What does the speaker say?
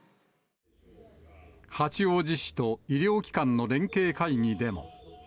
八王子市と医療機関の連携会議でも。